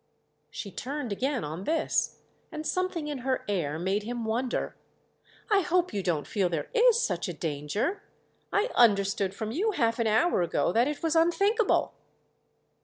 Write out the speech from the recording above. She turned again on this, and something in her air made him wonder. "I hope you don't feel there is such a danger? I understood from you half an hour ago that it was unthinkable."